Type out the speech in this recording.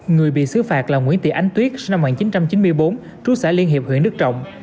người bị xứ phạt là nguyễn tị ánh tuyết sinh năm một nghìn chín trăm chín mươi bốn trú xã liên hiệp huyện đức trọng